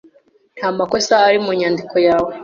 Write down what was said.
Nta makosa ari mu nyandiko yawe.